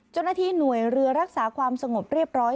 เจ้าหน้าที่หน่วยเรือรักษาความสงบเรียบร้อย